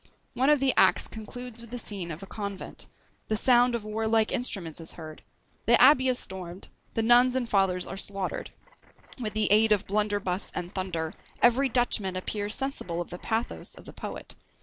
One of the acts concludes with the scene of a convent; the sound of warlike instruments is heard; the abbey is stormed; the nuns and fathers are slaughtered; with the aid of "blunderbuss and thunder," every Dutchman appears sensible of the pathos of the poet.